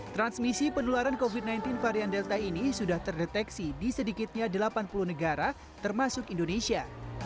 transmisi penularan covid sembilan belas varian delta ini sudah terdeteksi di sedikitnya delapan puluh negara termasuk indonesia